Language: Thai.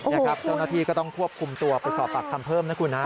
นี่ครับเจ้าหน้าที่ก็ต้องควบคุมตัวไปสอบปากคำเพิ่มนะคุณฮะ